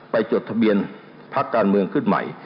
จดทะเบียนพักการเมืองขึ้นใหม่